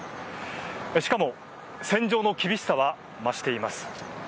しかも戦場の厳しさは増しています。